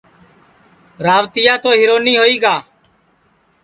روتیا تو ہیرونی ہوئی گا